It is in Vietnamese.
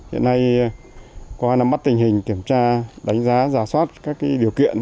hiện nay qua nắm mắt tình hình kiểm tra đánh giá giả soát các điều kiện